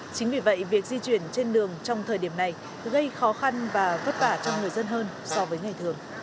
chính vì vậy việc di chuyển trên đường trong thời điểm này gây khó khăn và vất vả cho người dân hơn so với ngày thường